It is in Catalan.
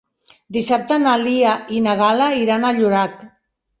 Dissabte na Lia i na Gal·la iran a Llorac.